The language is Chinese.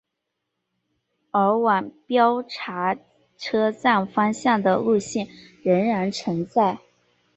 而往标茶车站方向的路线仍然存在。